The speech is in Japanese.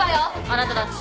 あなたたち。